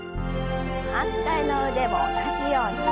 反対の腕も同じように。